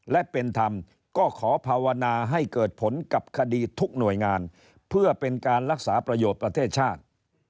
และเป็นธรรมก็ขอภาวนาให้เกิดผลกับคดีทุกหน่วยงานเพื่อเป็นการรักษาประโยชน์ประเทศชาติ